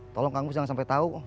tolong kang gus jangan sampai tahu kok